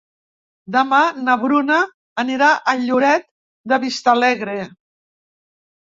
Demà na Bruna anirà a Lloret de Vistalegre.